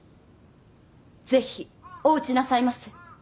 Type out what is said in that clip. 是非お討ちなさいませ。